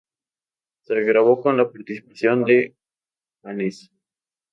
Se grabó con la participación de fanes.